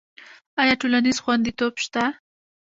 آیا ټولنیز خوندیتوب شته؟